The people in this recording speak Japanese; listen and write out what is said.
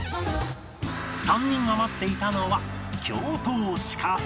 ３人が待っていたのは